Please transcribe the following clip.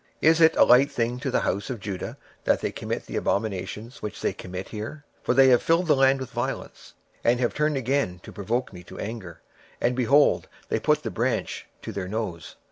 Is it a light thing to the house of Judah that they commit the abominations which they commit here? for they have filled the land with violence, and have returned to provoke me to anger: and, lo, they put the branch to their nose.